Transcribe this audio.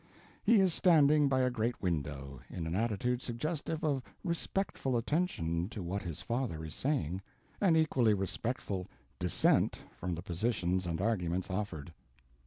He is standing by a great window, in an attitude suggestive of respectful attention to what his father is saying and equally respectful dissent from the positions and arguments offered.